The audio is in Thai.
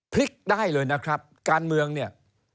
พลิกได้เลยนะครับการเมืองเนี่ย